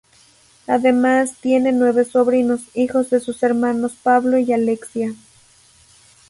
Además tiene nueve sobrinos, hijos de sus hermanos Pablo y Alexia.